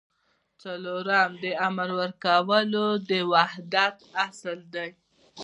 څلورم د امر ورکولو د وحدت اصل دی.